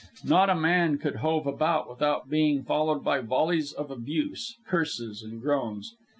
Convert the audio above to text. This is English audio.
Not a man could move about without being followed by volleys of abuse, curses, and groans.